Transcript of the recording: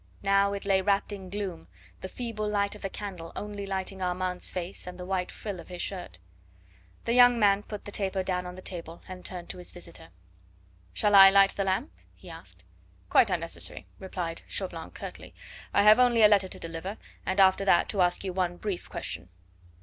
Now it lay wrapped in gloom, the feeble light of the candle only lighting Armand's face and the white frill of his shirt. The young man put the taper down on the table and turned to his visitor. "Shall I light the lamp?" he asked. "Quite unnecessary," replied Chauvelin curtly. "I have only a letter to deliver, and after that to ask you one brief question."